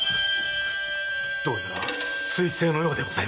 どうやら彗星のようでございます。